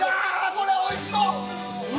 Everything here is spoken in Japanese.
もうおいしそう！